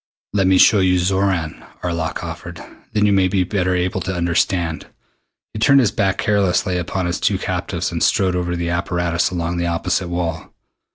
"Let me show you Xoran," Arlok offered. "Then you may be better able to understand." He turned his back carelessly upon his two captives and strode over to the apparatus along the opposite wall.